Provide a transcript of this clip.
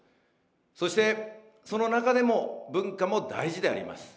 そしてその中でも、文化も大事であります。